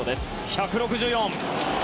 １６４！